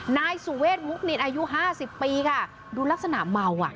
นายสุเวทมุคนินอายุห้าสิบปีค่ะดูลักษณะเมาอ่ะ